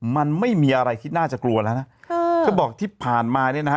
มันไม่มีอะไรที่น่าจะกลัวแล้วนะเขาบอกที่ผ่านมาเนี่ยนะฮะ